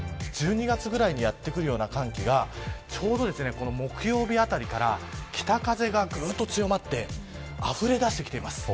１２月ぐらいにやってくるような寒気がちょうど木曜日あたりから北風がぐっと強まってあふれ出してきています。